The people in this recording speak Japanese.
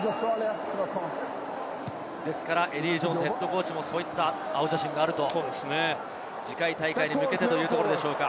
ですからエディー・ジョーンズＨＣもそういった青写真があると次回大会に向けてというところでしょうか。